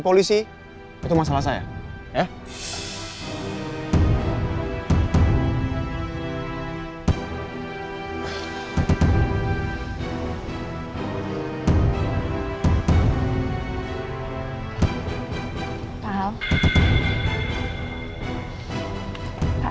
pak pak baik baik aja pak